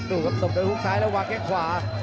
ดูกับตบโดยหลูกซ้ายระหว่างแค่ขวา